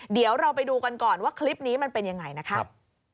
เดี๋ยวเราไปดูกันก่อนว่าคลิปนี้มันเป็นยังไงนะครับ